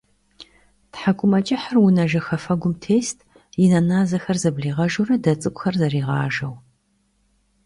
ТхьэкӀумэкӀыхьыр унэ жэхэфэгум тест, и нэ назэхэр зэблигъэжурэ дэ цӀыкӀухэр зэригъажэу.